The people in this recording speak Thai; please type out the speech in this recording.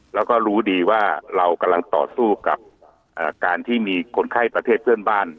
แล้วก็รู้ดีว่าเรากำลังต่อสู้กับการที่มีคนไข้ประเทศเพื่อนบ้าน